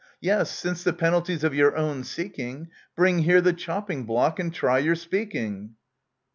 Yes, since the penalty's of your own seeking, Bring here the chopping block, and try your speaking.